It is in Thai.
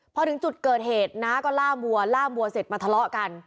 พอถึงจุดเกิดเหตุน้าก็ล่ามวัวล่ามวัวเสร็จมาทะเลาะกัน